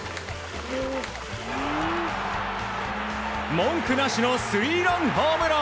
文句なしのスリーランホームラン！